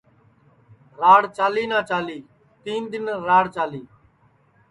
راڑ چالی نہ چالی تین دؔن راڑ چالی